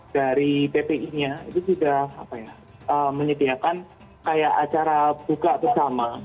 dari ppi nya itu sudah menyediakan kayak acara buka bersama